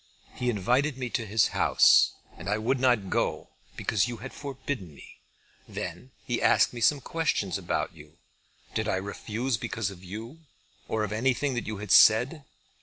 He invited me to his house and I would not go, because you had forbidden me. Then he asked me some questions about you. Did I refuse because of you, or of anything that you had said?